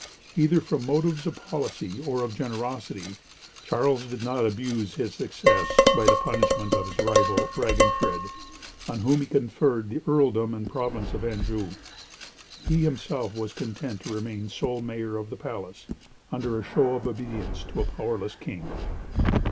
Either from motives of policy or of generosity, Charles did not abuse his success by the punishment of his rival, Raginfred, on whom he conferred the earldom and province of Anjou. He himself was content to remain sole Mayor of the Palace, under a show of obedience to a powerless king.